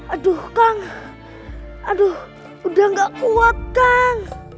aduh kang aduh udah gak kuat kang